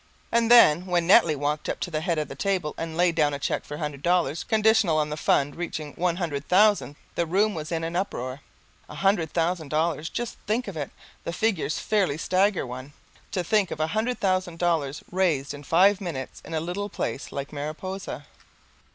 And then when Netley walked up to the head of the table and laid down a cheque for a hundred dollars conditional on the fund reaching one hundred thousand the room was in an uproar. A hundred thousand dollars! Just think of it! The figures fairly stagger one. To think of a hundred thousand dollars raised in five minutes in a little place like Mariposa!